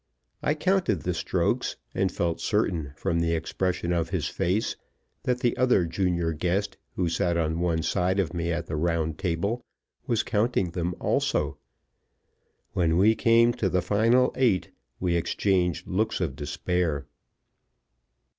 I counted the strokes, and felt certain, from the expression of his face, that the other junior guest, who sat on one side of me at the round table, was counting them also. When we came to the final eight, we exchanged looks of despair.